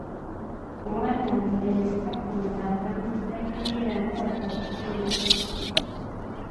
Omwana omulenzi takomba ntamu, tagiriiramu wadde okutuula enkoto.